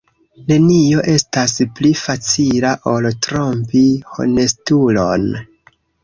Nenio estas pli facila, ol trompi honestulon.